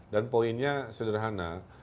dan poinnya sederhana